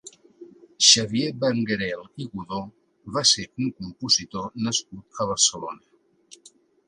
Xavier Benguerel i Godó va ser un compositor nascut a Barcelona.